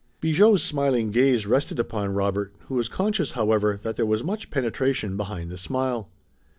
Bigot's smiling gaze rested upon Robert, who was conscious, however, that there was much penetration behind the smile.